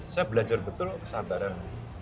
saya belajar betul kesabaran